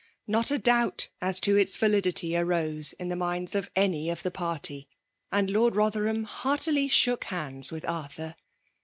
Not a doubt as to its validity arose in the minds of any of the party; and Lord Rotherham heartily shook hands with Arthur.